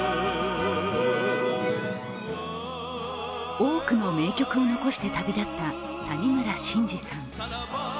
多くの名曲を残して旅立った谷村新司さん。